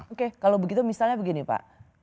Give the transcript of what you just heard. oke kalau begitu misalnya begini pak